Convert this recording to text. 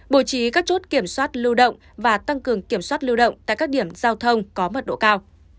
bổ trí các chốt kiểm soát lưu động và tăng cường kiểm soát lưu động tại các điểm giao thông có mật độ cao